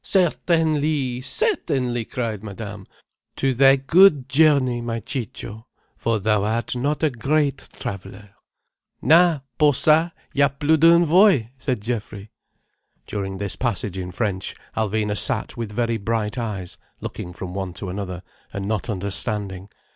"Certainly! Certainly!" cried Madame. "To thy good journey, my Ciccio, for thou art not a great traveller—" "Na, pour ça, y'a plus d'une voie," said Geoffrey. During this passage in French Alvina sat with very bright eyes looking from one to another, and not understanding.